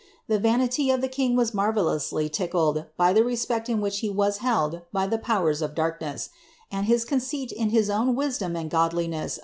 The vaniiy ol the king was marielloiish ttckied hv the respect in which he w»j held bv the powers of darkne=« and hn conceit in his own wisdoni »iid godlmes